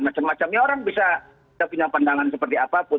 macam macamnya orang bisa punya pandangan seperti apapun